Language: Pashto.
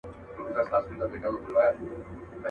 هره ورځ به نه وي غم د اردلیانو.